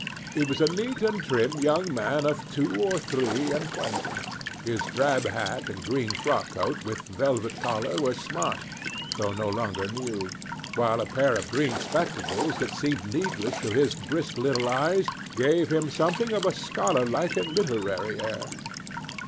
He was a neat and trim young man of two or three and twenty; his drab hat and green frock coat with velvet collar were smart, though no longer new, while a pair of green spectacles that seemed needless to his brisk little eyes gave him something of a scholar like and literary air.